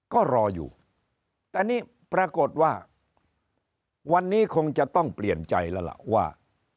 ก็รออยู่แต่นี่ปรากฏว่าวันนี้คงจะต้องเปลี่ยนใจแล้วล่ะว่า